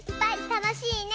たのしいね！